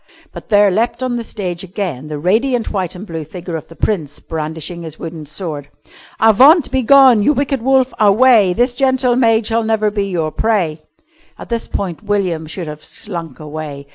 But there leapt on the stage again the radiant white and blue figure of the Prince brandishing his wooden sword. "Avaunt! Begone! You wicked wolf, away! This gentle maid shall never be your prey." At this point William should have slunk away.